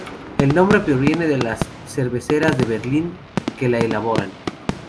El nombre proviene de las cerveceras de Berlín que la elaboran.